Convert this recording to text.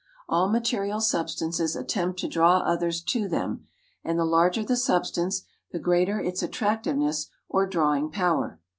All material substances attempt to draw others to them, and the larger the substance, the greater its attractiveness or drawing power.